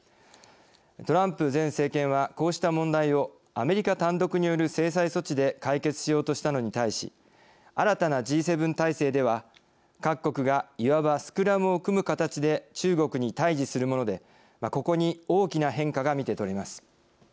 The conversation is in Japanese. トランプ前政権はこうした問題をアメリカ単独による制裁措置で解決しようとしたのに対し新たなＧ７体制では各国がいわばスクラムを組む形で中国に対じするものでここに大きな変化が見てとれます。